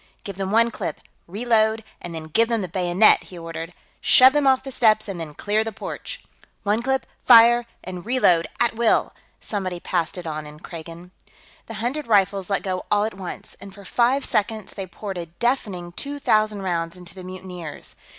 "Give them one clip, reload, and then give them the bayonet!" he ordered. "Shove them off the steps and then clear the porch!" "One clip, fire, and reload, at will!" somebody passed it on in Kragan. The hundred rifles let go all at once, and for five seconds they poured a deafening two thousand rounds into the mutineers.